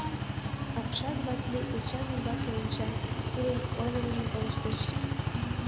Апшат Васлий Эчан ӱмбаке онча, тудын ойлымыжым колыштеш.